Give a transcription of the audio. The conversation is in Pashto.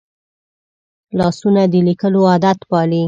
لاسونه د لیکلو عادت پالي